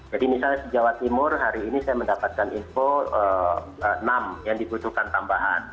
jadi misalnya di jawa timur hari ini saya mendapatkan info enam yang dibutuhkan tambahan